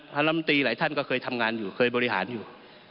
ลำตีหลายท่านก็เคยทำงานอยู่เคยบริหารอยู่